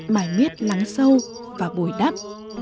mài miết lắng sâu và bồi đắp